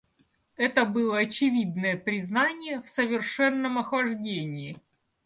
Это было очевидное признание в совершенном охлаждении.